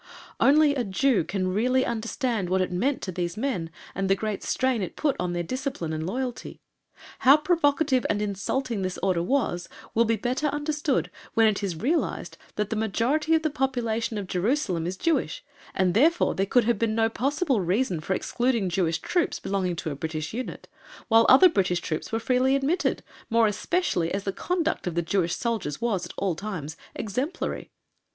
Only a Jew can really understand what it meant to these men, and the great strain it put on their discipline and loyalty. How provocative and insulting this order was will be better understood when it is realized that the majority of the population of Jerusalem is Jewish, and, therefore, there could have been no possible reason for excluding Jewish troops belonging to a British unit, while other British troops were freely admitted, more especially as the conduct of the Jewish soldiers was, at all times, exemplary.